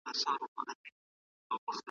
نیلی د خوشحال خان چي په دې غرونو کي کچل دی `